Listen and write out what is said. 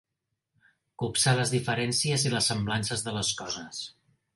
Copsar les diferències i les semblances de les coses.